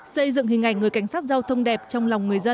xây dựng hình ảnh người cảnh sát giao thông đẹp trong lòng người dân